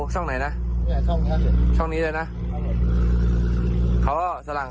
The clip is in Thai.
เที่ยวนั้นเหรอที่เต็มเลยแล้วลำหลังอ่ะ